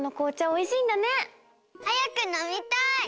はやくのみたい！